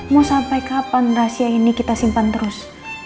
mau sampai kapan rahasia ini kita simpan terus